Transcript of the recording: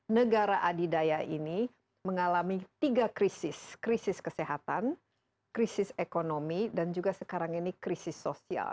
negara adidaya ini mengalami tiga krisis krisis kesehatan krisis ekonomi dan juga sekarang ini krisis sosial